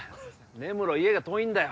根室家が遠いんだよ・